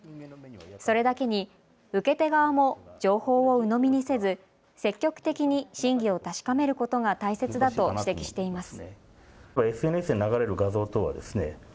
それだけに受け手側も情報をうのみにせず積極的に真偽を確かめることが大切だと指摘しています。